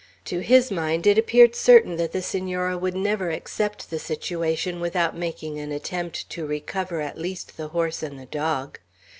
To his mind, it appeared certain that the Senora would never accept the situation without making an attempt to recover at least the horse and the dog.